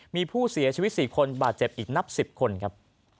มีผู้เสียชีวิต๔คนบาดเจ็บอีกนับ๑๐คนครับ